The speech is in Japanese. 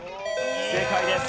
正解です。